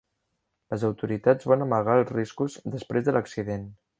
Les autoritats van amagar els riscos després de l"accident.